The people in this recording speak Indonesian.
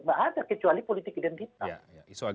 nggak ada kecuali politik identitas